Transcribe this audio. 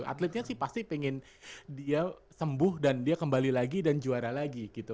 atletnya sih pasti pengen dia sembuh dan dia kembali lagi dan juara lagi gitu